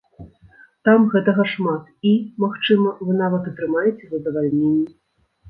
Там гэтага шмат і, магчыма, вы нават атрымаеце задавальненне.